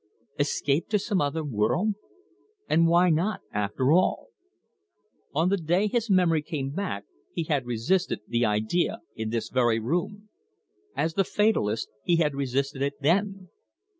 Escape to some other world? And why not, after all? On the day his memory came back he had resisted the idea in this very room. As the fatalist he had resisted it then.